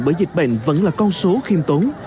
bởi dịch bệnh vẫn là con số khiêm tốn